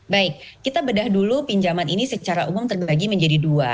baik kita bedah dulu pinjaman ini secara umum terbagi menjadi dua